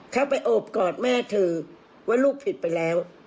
เขาไปโอบกอดแม่เธอว่าลูกผิดไปแล้ว